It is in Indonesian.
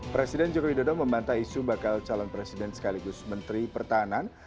presiden jokowi dodo membanta isu bakal calon presiden sekaligus menteri pertahanan